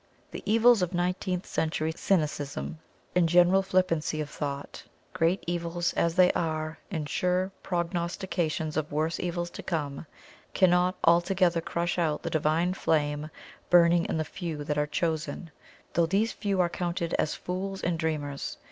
The evils of nineteenth century cynicism and general flippancy of thought great evils as they are and sure prognostications of worse evils to come cannot altogether crush out the Divine flame burning in the "few" that are "chosen," though these few are counted as fools and dreamers.